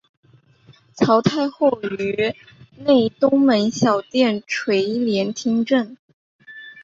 曹太后于内东门小殿垂帘听政。